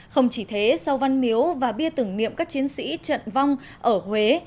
không chỉ thế sau văn miếu và bia tưởng niệm các chiến sĩ trận vong ở huế